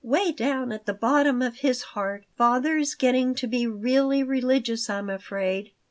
"'Way down at the bottom of his heart father is getting to be really religious, I'm afraid."